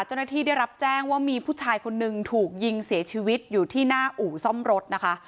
เจ้าหน้าที่ได้รับแจ้งว่ามีผู้ชายคนนึงถูกยิงเสียชีวิตอยู่ที่หน้าอู่ซ่อมรถนะคะ